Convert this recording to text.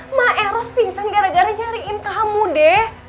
emak erostek pingsan gara gara nyariin kamu deh